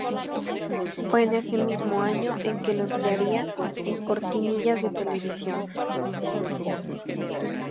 Fue en este mismo año en que lo emplearía en cortinillas de televisión.